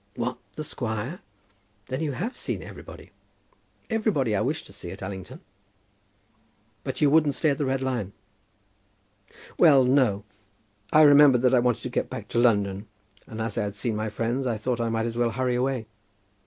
"What, the squire? Then you have seen everybody?" "Everybody I wished to see at Allington." "But you wouldn't stay at the 'Red Lion?'" "Well, no. I remembered that I wanted to get back to London; and as I had seen my friends, I thought I might as well hurry away."